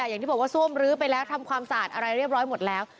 อย่างที่บอกว่าซ่วมลื้อไปแล้วทำความสะอาดอะไรเรียบร้อยหมดแล้ว